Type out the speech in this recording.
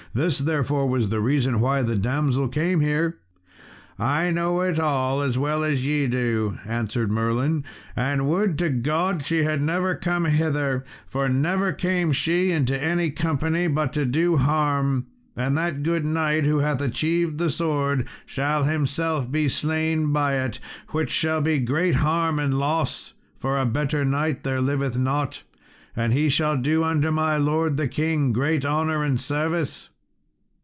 This, therefore, was the reason why the damsel came here." "I know it all as well as ye do," answered Merlin; "and would to God she had never come hither, for never came she into any company but to do harm; and that good knight who hath achieved the sword shall be himself slain by it, which shall be great harm and loss, for a better knight there liveth not; and he shall do unto my lord the king great honour and service."